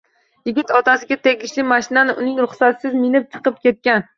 Yigit otasiga tegishli mashinani uning ruxsatisiz minib chiqib ketgan